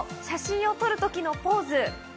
写真を撮るときのポーズ。